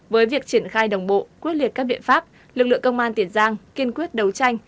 với việc triển khai đồng bộ quyết liệt các biện pháp lực lượng công an tiền giang kiên quyết đấu tranh